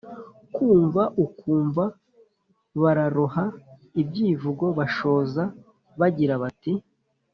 kumva ukumva bararoha ibyivugo, bashoza bagira bati:“